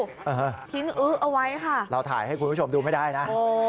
เออฮึเหอะทิ้งอื๊อะไรไว้ค่ะโอ๊ยพอเถอะเราถ่ายให้คุณผู้ชมดูไม่ได้นะ